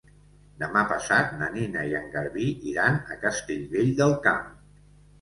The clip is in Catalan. Demà passat na Nina i en Garbí iran a Castellvell del Camp.